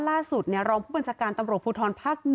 ล่าสุดเนี่ยรองผู้บัญชาการตำรวจภูทรภาค๑